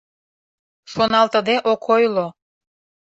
Шоналтыде ок ойло.